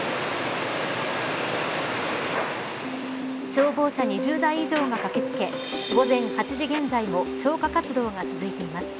消防車２０台以上が駆け付け午前８時現在も消火活動が続いています。